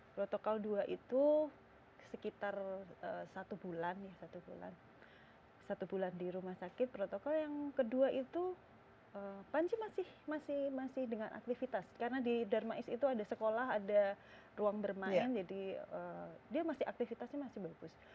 protokol dua itu sekitar satu bulan ya satu bulan satu bulan di rumah sakit protokol yang kedua itu panci masih dengan aktivitas karena di darmais itu ada sekolah ada ruang bermain jadi dia masih aktivitasnya masih bagus